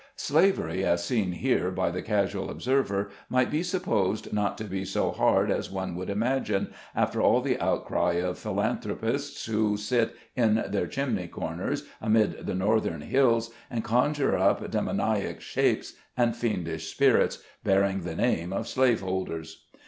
Slavery, as seen here by the casual observer, might be supposed not to be so hard as one would imagine, after all the outcry of philanthropists, who "sit in their chimney corners amid the northern hills, and conjure up demoniac shapes and fiendish spirits, bearing the name of slave holders."